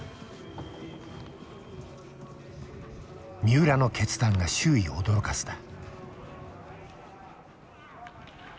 三浦の決断が周囲を驚かせた。